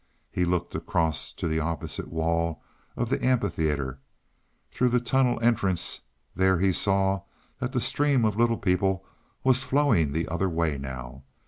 He looked across to the opposite wall of the amphitheater. Through the tunnel entrance there he saw that the stream of little people was flowing the other way now.